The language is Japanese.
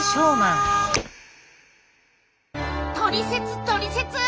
トリセツトリセツ！